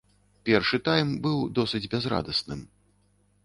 Першы тайм быў досыць бязрадасным.